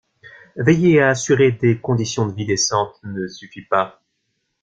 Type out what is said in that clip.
Veiller à assurer des conditions de vie décentes ne suffit pas.